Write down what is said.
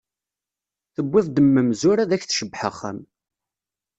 Tewwiḍ-d mm umzur, ad ak-tcebbeḥ axxam.